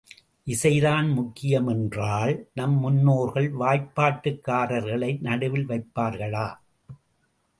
இசைதான் முக்கியம் என்றால் நம் முன்னோர்கள் வாய்ப்பாட்டுக்காரர்களை நடுவில் வைப்பார்களா?